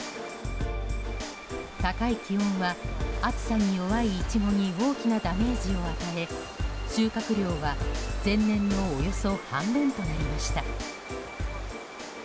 高い気温は暑さに弱いイチゴに大きなダメージを与え収穫量は前年のおよそ半分となりました。